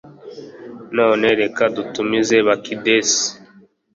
none reka dutumize bakidesi